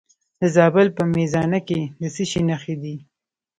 د زابل په میزانه کې د څه شي نښې دي؟